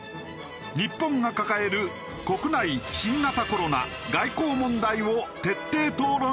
日本が抱える国内新型コロナ外交問題を徹底討論